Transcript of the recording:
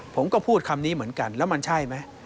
ผมก็พูดคำนี้เหมือนกันแล้วมันใช่ไหม